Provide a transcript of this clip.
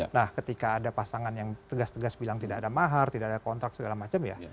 nah ketika ada pasangan yang tegas tegas bilang tidak ada mahar tidak ada kontrak segala macam ya